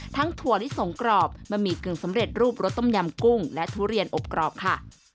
ถั่วลิสงกรอบบะหมี่กึ่งสำเร็จรูปรสต้มยำกุ้งและทุเรียนอบกรอบค่ะ